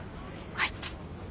はい。